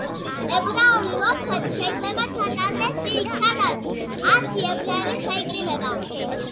ებრაული ლოცვები შეიძლება ჩატარდეს იქ, სადაც ათი ებრაელი შეიკრიბება.